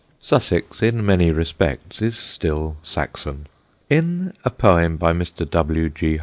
Sussex, in many respects, is still Saxon. In a poem by Mr. W. G.